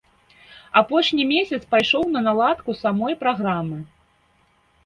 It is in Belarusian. Апошні месяц пайшоў на наладку самой праграмы.